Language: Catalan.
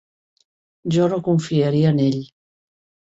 Jo no confiaria en ell.